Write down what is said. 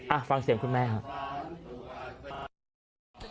อ่ะฟังเสียงคุณแม่ครับ